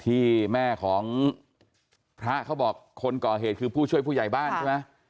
ที่แม่ของพระเขาบอกคนก่อเหตุคือผู้ช่วยผู้ใหญ่บ้านใช่ไหม